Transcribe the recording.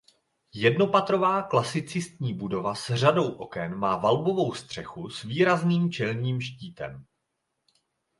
Jednopatrová klasicistní budova s řadou oken má valbovou střechu s výrazným čelním štítem.